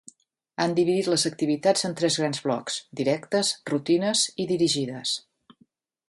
Han dividit les activitats en tres grans blocs: directes, rutines i dirigides.